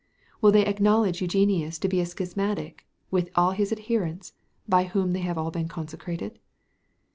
Will they acknowledge Eugenius to be a schismatic, with all his adherents, by whom they have all been consecrated?